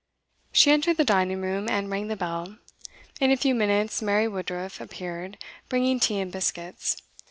She entered the dining room, and rang the bell. In a few minutes Mary Woodruff appeared, bringing tea and biscuits.